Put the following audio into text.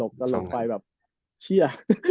ปวดในความลุย